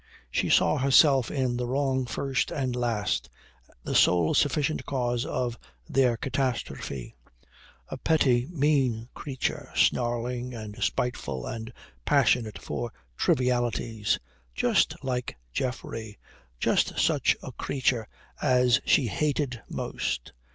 She saw herself in the wrong first and last, the sole sufficient cause of their catastrophe, a petty mean creature, snarling and spiteful and passionate for trivialities just like Geoffrey, just such a creature as she hated most.